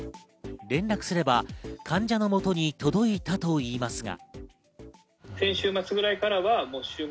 連絡すれば患者の元に届いたといいますが。